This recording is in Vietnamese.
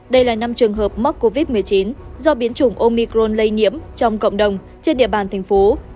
đây là năm trường hợp mắc covid một mươi chín do biến chủng omicron lây nhiễm trong cộng đồng trên địa bàn thành phố